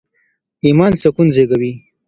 ایمان سکون زېږوي.